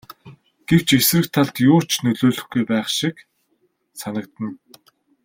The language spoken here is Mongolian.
Гэвч эсрэг талд юу ч нөлөөлөхгүй байх шиг санагдана.